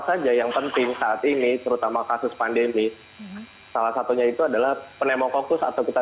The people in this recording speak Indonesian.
saja yang penting saat ini terutama kasus pandemi salah satunya itu adalah pnemococcus atau kita